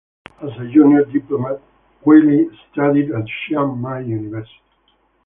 As a junior diplomat, Quayle studied at Chiang Mai University.